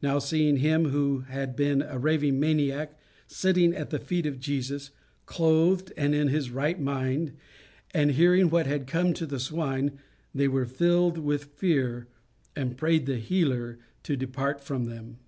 Now, seeing him who had been a raving maniac, sitting at the feet of Jesus, clothed and in his right mind, and hearing what had come to the swine, they were filled with fear, and prayed the healer to depart from them.